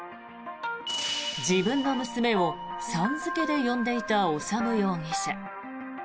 自分の娘をさん付けで呼んでいた修容疑者。